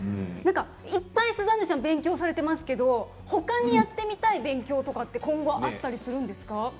いっぱいスザンヌちゃん勉強されていますけれどほかにやってみたい勉強はあるんですか？